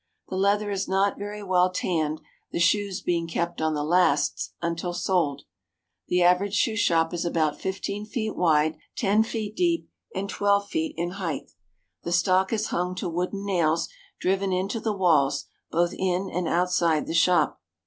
The leather is not very well tanned, the shoes being kept on the lasts until sold. The average shoe shop is about fifteen feet wide, ten 215 THE HOLY LAND AND SYRIA feet deep, and twelve feet in height. The stock is hung to wooden nails driven into the walls both in and outside the shop.